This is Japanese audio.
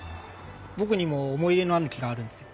僕にも思い入れのある木があるんですよ。